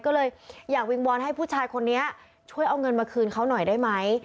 ก็เลยอยากวิงวอนให้ผู้ชายคนนี้ช่วยเอาเงินมาคืนเขาหน่อยได้ไหม